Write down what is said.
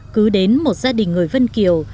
cứ đến một gia đình người vân kiều